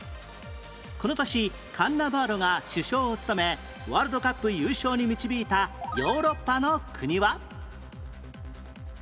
この年カンナバーロが主将を務めワールドカップ優勝に導いたヨーロッパの国は？